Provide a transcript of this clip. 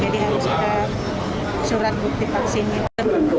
jadi harus sudah surat bukti vaksinnya